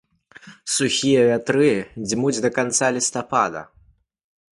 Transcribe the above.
Сухія вятры дзьмулі да канца лістапада.